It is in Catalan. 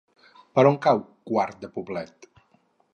Per on cau Quart de Poblet?